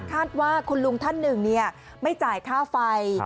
คาดว่าคุณลุงท่านหนึ่งไม่จ่ายค่าไฟ